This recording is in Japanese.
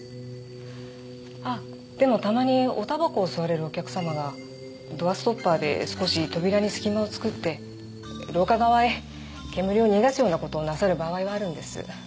あっでもたまにお煙草を吸われるお客様がドアストッパーで少し扉に隙間を作って廊下側へ煙を逃がすような事をなさる場合はあるんです。